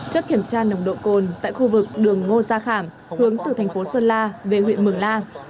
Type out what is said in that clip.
chốt kiểm tra nồng độ cồn tại khu vực đường ngô gia khảm hướng từ thành phố sơn la về huyện mường la